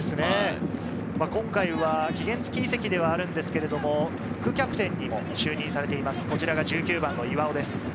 今回は期限付き移籍ではあるんですけれど、副キャプテンにも就任されています、１９番の岩尾です。